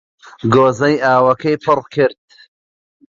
گۆزەی ئاوەکەی پڕ کرد